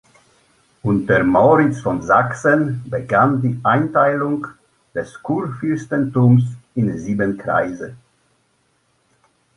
Unter Moritz von Sachsen begann die Einteilung des Kurfürstentums in sieben Kreise.